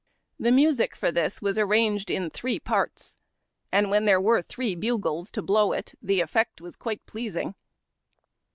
The music for this was arranged in three parts, and when there were three bugles to bh^w it the effect was quite pleas ing.